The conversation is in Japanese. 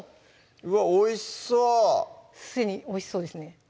おいしそうすでにおいしそうですね